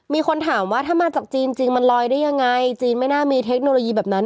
มีคนถามว่าถ้ามาจากจีนจริงมันลอยได้ยังไงจีนไม่น่ามีเทคโนโลยีแบบนั้น